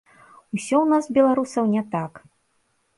Усё ў нас, беларусаў, не так.